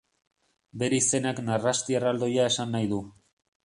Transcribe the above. Bere izenak narrasti erraldoia esan nahi du.